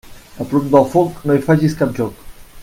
A prop del foc, no hi facis cap joc.